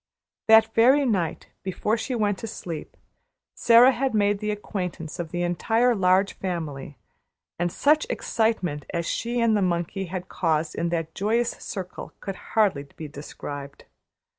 That very night, before she went to sleep, Sara had made the acquaintance of the entire Large Family, and such excitement as she and the monkey had caused in that joyous circle could hardly be described.